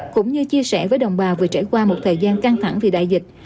cũng như chia sẻ với đồng bào vừa trải qua một thời gian căng thẳng vì đại dịch